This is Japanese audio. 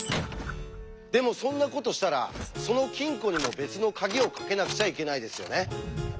でもそんなことしたらその金庫にも別の鍵をかけなくちゃいけないですよね。